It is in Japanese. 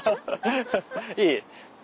いえいえ。